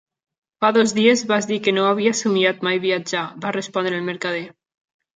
"Fa dos dies, vas dir que no havia somiat mai viatjar", va respondre el mercader.